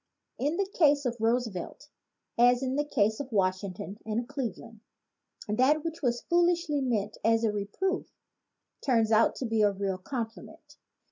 In the case of Roosevelt, as in the case of Washington and Cleveland, that which was foolishly meant as a reproof turns out to be really a compliment.